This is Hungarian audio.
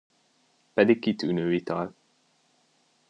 Pedig kitűnő ital.